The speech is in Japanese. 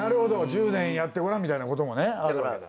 「１０年やってごらん」みたいなこともねあるわけだ。